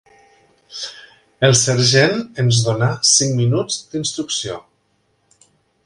El sergent ens donà cinc minuts de «instrucció»